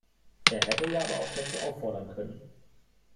Er hätte ja aber auch dazu auffordern können.